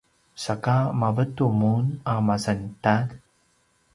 saka mavetu mun a masantalj?